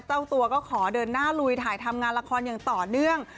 เจ้าตัวก็ขอเดินหน้าลุยถ่ายทำงานละครอย่างต่อเนื่อง